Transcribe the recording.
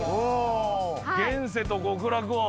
現世と極楽を。